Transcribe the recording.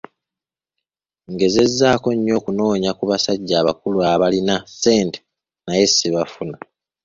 Ngezezzaako nnyo okunoonya ku basajja abakulu aabalina ssente naye sibafuna!